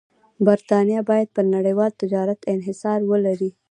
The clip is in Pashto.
برېټانیا باید پر نړیوال تجارت انحصار ولري.